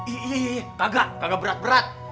iya iya iya kagak kagak berat berat